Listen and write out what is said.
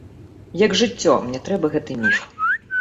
Як жыццё, мне трэба гэты міф.